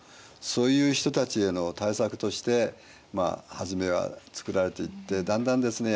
そういう人たちへの対策として初めは作られていってだんだんですね